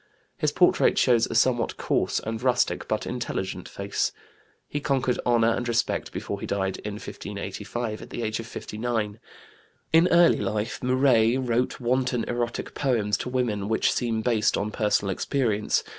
His portrait shows a somewhat coarse and rustic but intelligent face. He conquered honor and respect before he died in 1585, at the age of 59. In early life Muret wrote wanton erotic poems to women which seem based on personal experience.